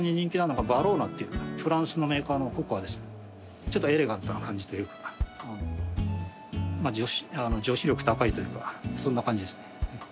ちょっとエレガントな感じというか女子力高いというかそんな感じですね。